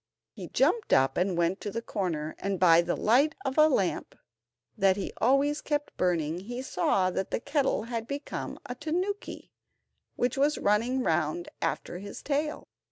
He jumped up and went to the corner, and by the light of the lamp that he always kept burning he saw that the kettle had become a tanuki, which was running round after his tail.